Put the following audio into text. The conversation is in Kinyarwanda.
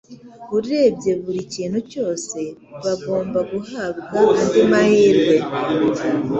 Urebye buri kintu cyose bagomba guhabwa andi mahirwe